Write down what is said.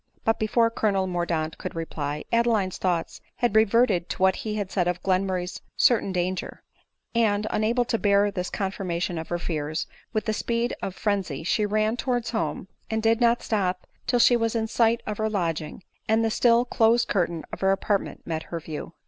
But before colonel Mordaunt could reply, Adeline's thoughts had reverted to what he had said of Glenmur ray's certain danger ; and, unable to bear this confirma tion of her fears, with the speed of frenzy she ran to wards home, and did not stop till she was in sight of her lodging, and the still closed curtain of her apartment met her view.